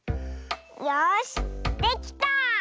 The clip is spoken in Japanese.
よしできた！